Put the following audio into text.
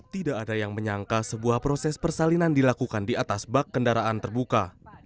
tidak ada yang menyangka sebuah proses persalinan dilakukan di atas bak kendaraan terbuka